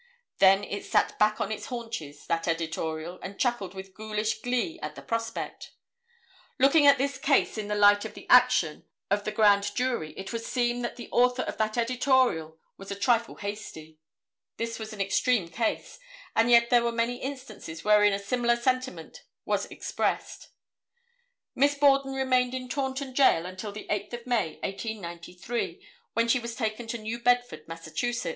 Then it sat back on its haunches, that editorial, and chuckled with goulish glee at the prospect. Looking at this case in the light of the action of the grand jury it would seem that the author of that editorial was a trifle hasty. This was an extreme case, and yet there were many instances wherein a similar sentiment was expressed. Miss Borden remained in Taunton Jail until the 8th of May, 1893, when she was taken to New Bedford, Mass.